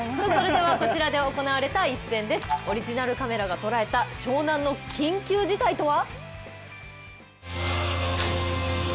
こちらで行われた一戦です、オリジナルカメラがとらえた湘南の緊急事態とは！？